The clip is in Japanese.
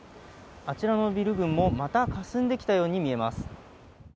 あちらのビル群もまたかすんできたように見えます。